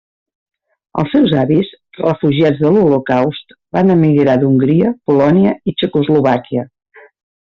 Els seus avis, refugiats de l'Holocaust, van emigrar d'Hongria, Polònia i Txecoslovàquia.